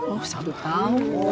oh satu tahun